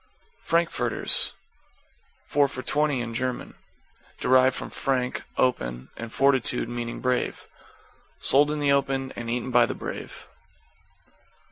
=FRANKFURTERS= Four for twenty, in German. Derived from frank, open, and fortitude, meaning brave. Sold in the open and eaten by the brave.